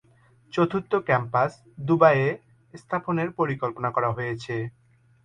চতুর্থ ক্যাম্পাস দুবাইয়ে স্থাপনের পরিকল্পনা করা হয়েছে।